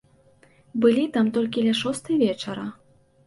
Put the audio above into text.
Былі там толькі ля шостай вечара.